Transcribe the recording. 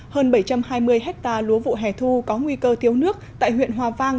hơn bảy trăm hai mươi hectare lúa vụ hẻ thu có nguy cơ thiếu nước tại huyện hoa vang